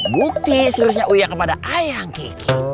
bukti seriusnya uya kepada ayang kiki